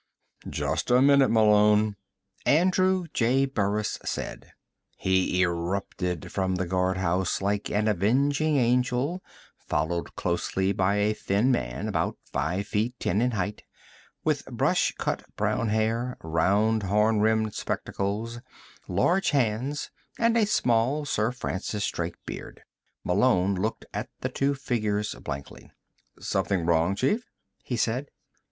"Just a minute, Malone," Andrew J. Burris said. He erupted from the guardhouse like an avenging angel, followed closely by a thin man, about five feet ten inches in height, with brush cut brown hair, round horn rimmed spectacles, large hands and a small Sir Francis Drake beard. Malone looked at the two figures blankly. "Something wrong, chief?" he said.